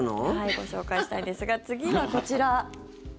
ご紹介したいですが次はこちら。